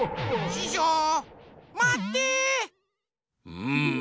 うん。